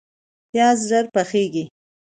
پیاز ژر پخیږي